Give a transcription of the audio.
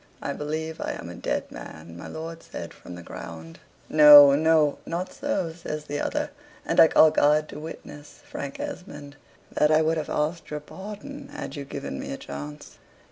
"I believe I am a dead man," my lord said from the ground. "No, no, not so," says the other; "and I call God to witness, Frank Esmond, that I would have asked your pardon, had you but given me a chance.